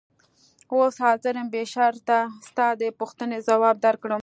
اوس حاضر یم بې شرطه ستا د پوښتنې ځواب درکړم.